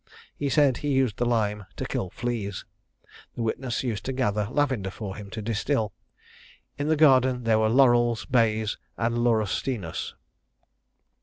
He said he used the lime to kill fleas. The witness used to gather lavender for him to distil. In the garden there were laurels, bays, and laurustinus.